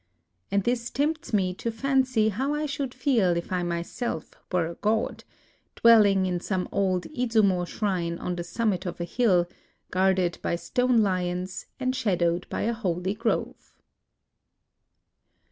And this tempts me to fancy how I should feel if I myseK were a god, — dwelling in some old Izumo shrine on the summit of a hill, guarded by stone lions and shadowed by a holy grove.